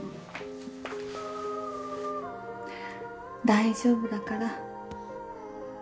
大丈夫だから。